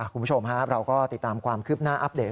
คุณผู้ชมครับเราก็ติดตามความคืบหน้าอัปเดต